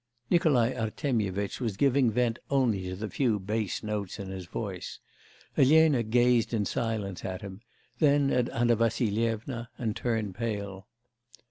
Nikolai Artemyevitch was giving vent only to the few bass notes in his voice. Elena gazed in silence at him, then at Anna Vassilyevna and turned pale.